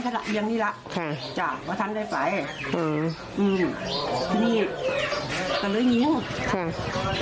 ถ้าละอย่างนี้ล่ะค่ะจ้ะว่าทันได้ไฟอืมอืมนี่ก็เลยยิงง่วง